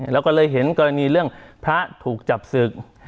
แล้วก็เลยเห็นกรณีเรื่องพระถูกจับศึก